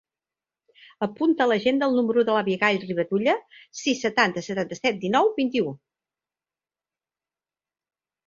Apunta a l'agenda el número de l'Abigaïl Rivadulla: sis, setanta, setanta-set, dinou, vint-i-u.